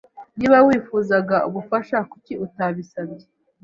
Niba wifuzaga ubufasha, kuki utabisabye?